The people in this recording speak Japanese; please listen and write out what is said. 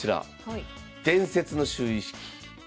伝説の就位式。